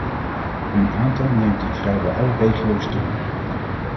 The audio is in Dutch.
Hun aantal neemt in vrijwel alle regio’s toe.